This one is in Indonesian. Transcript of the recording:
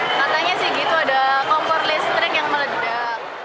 katanya sih gitu ada kompor listrik yang meledak